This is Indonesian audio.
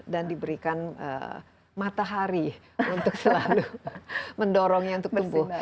dan diberikan matahari untuk selalu mendorongnya untuk tumbuh